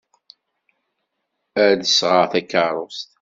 Ad d-sɣeɣ takeṛṛust.